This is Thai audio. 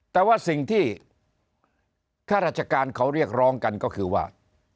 แต่ว่าสิ่งที่ข้าราชการเขาเรียกร้องกันก็คือว่า